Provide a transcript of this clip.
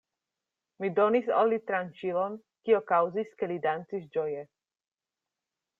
Mi donis al li tranĉilon, kio kaŭzis, ke li dancis ĝoje.